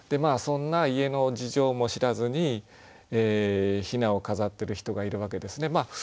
そんな家の事情も知らずに雛を飾ってる人がいるわけですね。